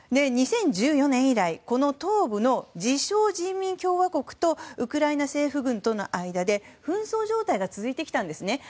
２０１４年以来東部の自称人民共和国とウクライナ政府軍との間で紛争状態が続いてきたんですね。